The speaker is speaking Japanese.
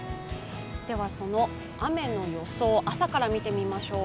その雨の予想、朝から見てみましょう。